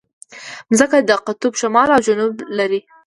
مځکه د قطب شمال او جنوب لري.